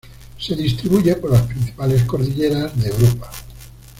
Se distribuye por las principales cordilleras de Europa.